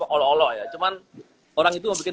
olo olo ya cuman orang itu mau bikin